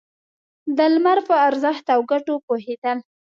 د لمر په ارزښت او گټو پوهېدل.